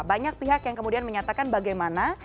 banyak pihak yang kemudian menyatakan bagaimana